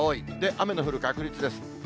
雨の降る確率です。